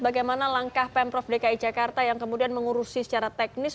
bagaimana langkah pemprov dki jakarta yang kemudian mengurusi secara teknis